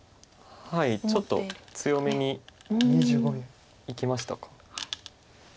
はいちょっと強めにいきましたか。